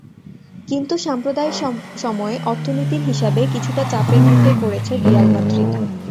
কিন্তু সাম্প্রতিক সময়ে অর্থনীতির হিসাবে কিছুটা চাপের মুখেই পড়েছে রিয়াল মাদ্রিদ।